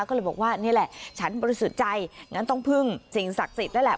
ก็เลยบอกว่านี่แหละฉันบริสุทธิ์ใจงั้นต้องพึ่งสิ่งศักดิ์สิทธิ์นั่นแหละ